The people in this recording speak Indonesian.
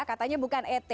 katanya bukan et